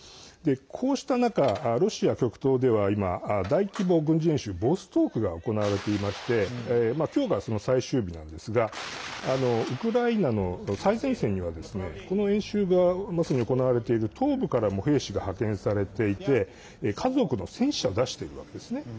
こうした中、ロシア極東では今大規模軍事演習ボストークが行われていまして今日が、その最終日なんですがウクライナの最前線にはこの演習が、まさに行われている東部からも兵士が派遣されていて数多くの戦死者を出しているわけですね。